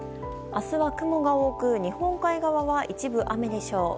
明日は雲が多く日本海側は一部雨でしょう。